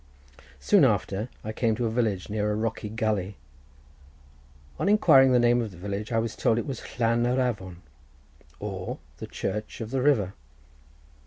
Soon after I came to a village near to a rocky gulley. On inquiring the name of the village, I was told it was Llan yr Afon, or the church of the river.